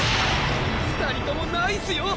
２人ともナイスよ！